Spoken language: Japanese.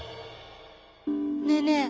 ねえねえ